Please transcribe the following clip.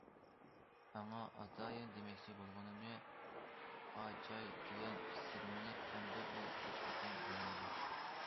ئاڭا ئاتايىن دېمەكچى بولغىنىمنى، ئاچاي دېگەن سىرىمنى ئەمدى ئۇ ھېچقاچان بىلمەيدۇ.